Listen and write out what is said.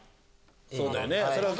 そうだよね。